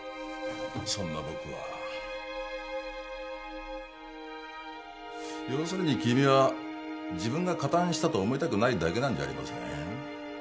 そんな僕は要するに君は自分が加担したと思いたくないだけなんでしょう？